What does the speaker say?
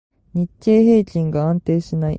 日経平均が安定しない